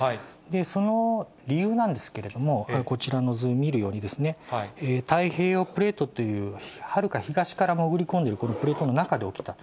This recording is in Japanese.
その理由なんですけれども、こちらの図を見るように、太平洋プレートっていう、はるか東から潜り込んでいるこのプレートの中で起きた。